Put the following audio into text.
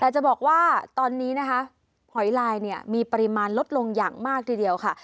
แต่จะบอกว่าตอนนี้นะคะหอยลายเนี่ยมีปริมาณลดลงอย่างมากทีเดียวค่ะ